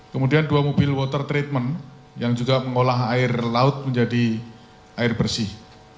kemudian dua mobil water treatment yang juga mengolah air laut menjadi air bersih